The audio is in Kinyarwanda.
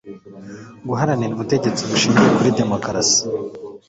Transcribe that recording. guharanira ubutegetsi bushingiye kuri demokarasi